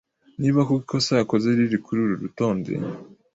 niba koko ikosa yakoze riri kuri uru rutonde,